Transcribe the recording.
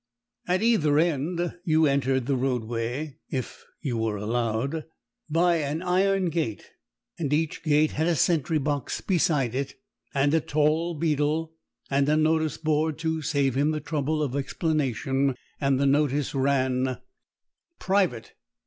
At either end you entered the roadway (if you were allowed) by an iron gate, and each gate had a sentry box beside it, and a tall beadle, and a notice board to save him the trouble of explanation. The notice ran PRIVATE.